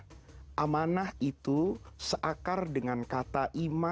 jika anda harus ber touches maka syarat pertama